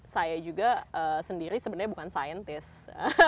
saya juga sendiri sebenarnya bukan scientist